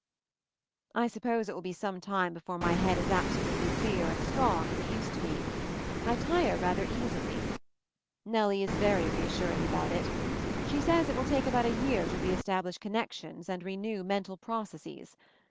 I suppose it will be some time before my head is absolutely clear and strong as it used to be. I tire rather easily. Nellie is very reassuring about it. She says it will take about a year to re establish connections and renew mental processes.